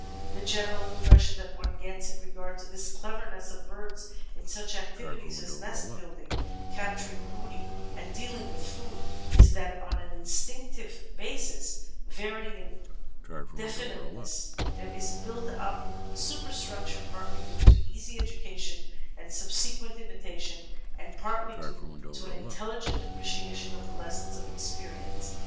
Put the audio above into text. The general impression that one gets in regard to the clever ness of birds in such activities as nest building, capturing booty, and dealing with food is that on an instinctive basis, varying in definiteness, there is built up a superstructure partly due to easy education and subsequent imitation, and partly due to an intelli gent appreciation of the lessons of experience.